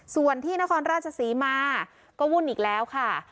ส่วนที่นครราชศรีมาก็วุ่นอีกแล้วค่ะ